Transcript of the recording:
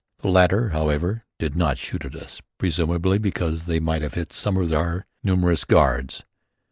The latter, however, did not shoot at us, presumably because they might have hit some of our numerous guards.